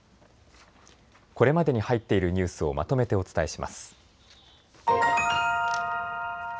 これまでに入っているニュースをまとめてお伝えします。